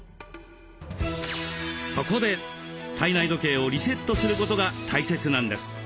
そこで体内時計をリセットすることが大切なんです。